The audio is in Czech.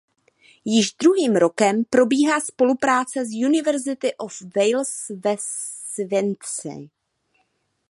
Již druhým rokem probíhá spolupráce s University of Wales ve Swansea.